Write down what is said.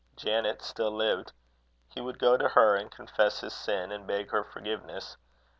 Janet still lived. He would go to her, and confess his sin, and beg her forgiveness.